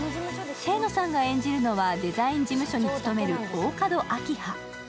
清野さんが演じるのは、デザイン事務所に勤める大加戸明葉。